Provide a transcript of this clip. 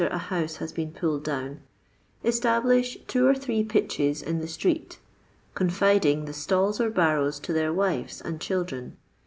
i huuse has been pulled down — establish two or three pitches in the street, confiding the stalls or barrows to their wives and children.